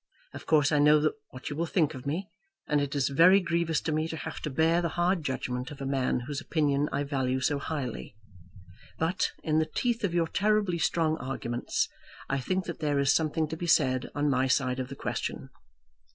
Of course, I know what you will think of me, and it is very grievous to me to have to bear the hard judgment of a man whose opinion I value so highly; but, in the teeth of your terribly strong arguments, I think that there is something to be said on my side of the question.